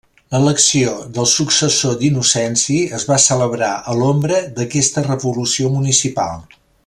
L'elecció del successor d'Innocenci es va celebrar a l'ombra d'aquesta revolució municipal.